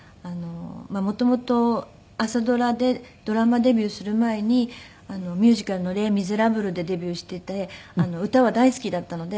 元々朝ドラでドラマデビューする前にミュージカルの『レ・ミゼラブル』でデビューしていて歌は大好きだったので。